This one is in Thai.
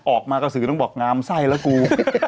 ออกมากระสือต้องบอกงามไส้แล้วกู